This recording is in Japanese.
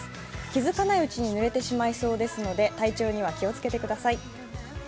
気付かないうちにぬれてしまいそうですので体調には気をつけてください。